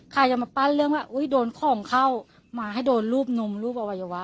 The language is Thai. ใครจะมาปั้นเรื่องดูของเขามาให้โดนรูปหนุ่มรูปอุเวยวะอะ